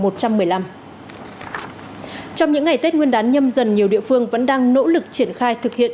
trong những ngày tết nguyên đán nhâm dần nhiều địa phương vẫn đang nỗ lực triển khai thực hiện